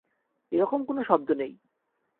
এরকম কোনো শব্দ নেই।